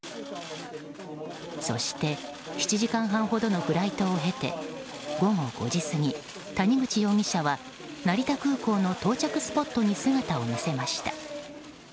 そして７時間半ほどのフライトを経て午後５時過ぎ、谷口容疑者は成田空港の到着スポットに姿を見せました。